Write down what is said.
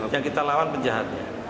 yang kita lawan penjahatnya